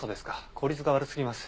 効率が悪過ぎます。